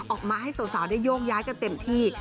ออกมาให้สาวได้โยกย้ายกันเต็มที่